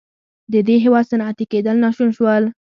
د دې هېواد صنعتي کېدل ناشون شول.